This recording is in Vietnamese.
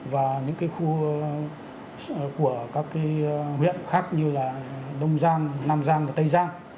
và những cái khu của các cái huyện khác như là đông giang nam giang và tây giang